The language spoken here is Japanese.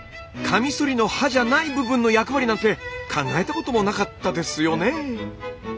カミソリの刃じゃない部分の役割なんて考えたこともなかったですよね。